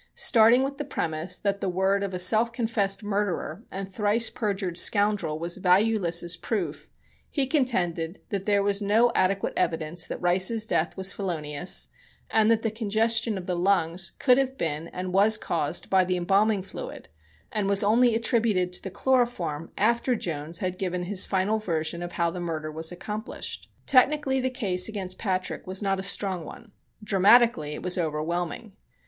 Starting with the premise that the word of a self confessed murderer and thrice perjured scoundrel was valueless as proof, he contended that there was no adequate evidence that Rice's death was felonious, and that the congestion of the lungs could have been and was caused by the embalming fluid and was only attributed to the chloroform after Jones had given his final version of how the murder was accomplished. Technically the case against Patrick was not a strong one. Dramatically it was overwhelming.